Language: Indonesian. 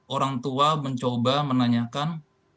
orang tua mencoba menanyakan